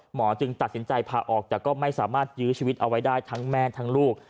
จึงตัดสินใจพาออกแต่ก็ไม่สามารถยื้อชีวิตเอาไว้ได้ทั้งแม่ทั้งลูก